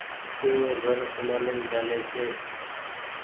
پورو گهر سمبآلين چآلي ڇي۔